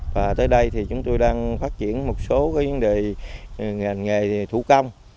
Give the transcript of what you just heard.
và tới đây thì chúng tôi đang phát triển một số cái vấn đề ngành nghề thủ công